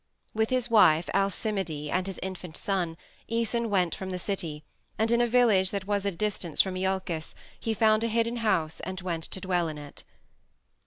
With his wife, Alcimide, and his infant son, Æson went from the city, and in a village that was at a distance from Iolcus he found a hidden house and went to dwell in it.